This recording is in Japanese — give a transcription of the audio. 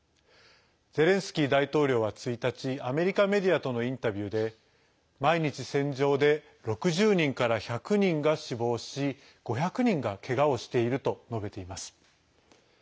ゼレンスキー大統領は１日アメリカメディアとのインタビューで毎日、戦場で６０人から１００人が死亡し５００人がけがをしていると述べています。